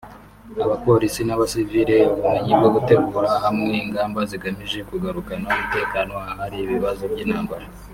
abapolisi n’abasivile ubumenyi bwo gutegurira hamwe ingamba zigamije kugarukana umutekano ahari ibibazo by’intambara